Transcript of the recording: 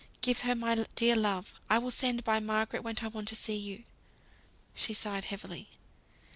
Give her my dear love. I will send by Margaret when I want to see you." She sighed heavily.